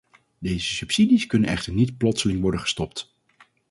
Deze subsidies kunnen echter niet plotseling worden gestopt.